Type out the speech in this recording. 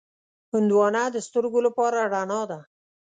هندوانه د سترګو لپاره رڼا ده.